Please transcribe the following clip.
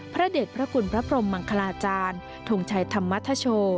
พระเด็จพระคุณพระพรมมังคลาจารย์ทงชัยธรรมทโช